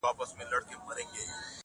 اصلاح شوی انسان د ټولنې لپاره ګټور وي.